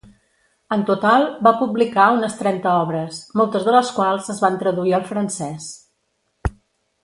En total, va publicar unes trenta obres, moltes de les quals es van traduir al francès.